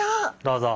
どうぞ。